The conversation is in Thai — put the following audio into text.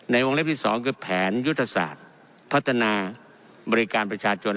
วงเล็บที่๒คือแผนยุทธศาสตร์พัฒนาบริการประชาชน